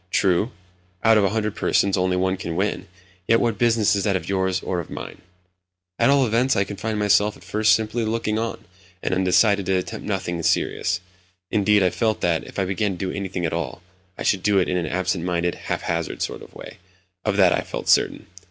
True, out of a hundred persons, only one can win; yet what business is that of yours or of mine? At all events, I confined myself at first simply to looking on, and decided to attempt nothing serious. Indeed, I felt that, if I began to do anything at all, I should do it in an absent minded, haphazard sort of way—of that I felt certain.